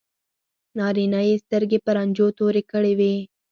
نارینه یې سترګې په رنجو تورې کړې وي.